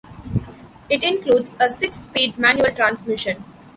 It includes a six-speed manual transmission.